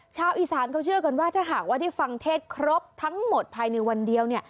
ชาวอีสานเขาเชื่อกันว่าถ้าหากว่าได้ฟังเทศครบทั้งหมดภายในวันเดียวเนี่ย